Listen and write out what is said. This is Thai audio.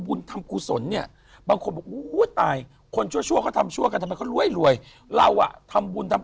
บุญทำกุสนเนี่ยบางคนว่าตายคนชั่วมาก้นไม่กี้รวยเราอ่ะทำบุญทำ